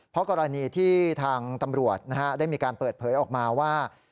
เพราะกรณีที่ทางตำรวจได้มีการเปิดเผยออกมาว่า